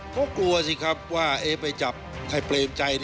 ก็กลัวสิครับว่าเอ๊ะไปจับใครเปลี่ยมใจ